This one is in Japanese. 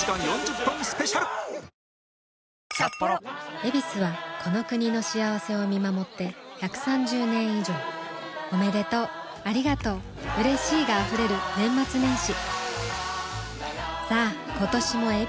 「ヱビス」はこの国の幸せを見守って１３０年以上おめでとうありがとううれしいが溢れる年末年始さあ今年も「ヱビス」で